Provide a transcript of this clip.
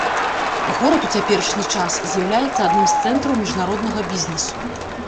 Горад у цяперашні час з'яўляецца адным з цэнтраў міжнароднага бізнесу.